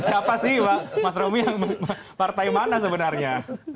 siapa sih mas romi yang partai mana sebenarnya